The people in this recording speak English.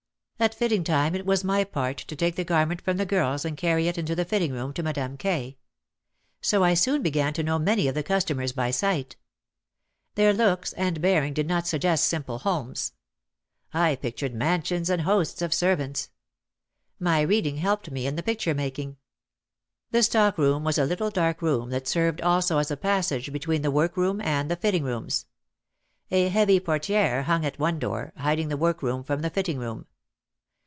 At fitting time it was my part to take the garment from the girls and carry it into the fitting room to Ma dame K. So I soon began to know many of the cus tomers by sight. Their looks and bearing did not sug gest simple homes. I pictured mansions and hosts of servants. My reading helped me in the picture making. The stock room was a little dark room that served also as a passage between the work room and the fitting rooms. A heavy portiere hung at one door, hiding the work room from the fitting room.